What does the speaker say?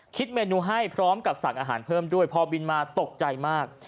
คิดเมนูให้พร้อมกับสั่งอาหารเพิ่มด้วยพอบินมาตกใจมาก